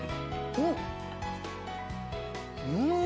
うん！